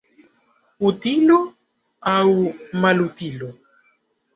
Utilo aŭ malutilo?